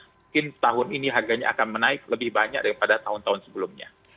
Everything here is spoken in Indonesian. mungkin tahun ini harganya akan menaik lebih banyak daripada tahun tahun sebelumnya